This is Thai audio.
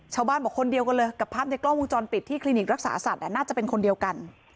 ชาวบ้านบอกคนเดียวกันเลยกับภาพในกล้องวงจรปิดที่คลินิกรักษาสัตว์น่าจะเป็นคนเดียวกัน